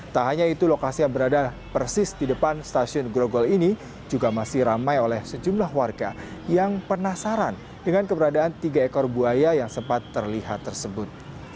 tak hanya itu lokasi yang berada persis di depan stasiun grogol ini juga masih ramai oleh sejumlah warga yang penasaran dengan keberadaan tiga ekor buaya yang sempat terlihat tersebut